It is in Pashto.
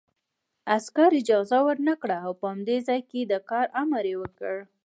عسکر اجازه ورنکړه او په همدې ځای د کار امر یې وکړ